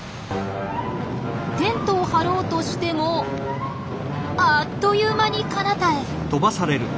テントを張ろうとしてもあっという間にかなたへ。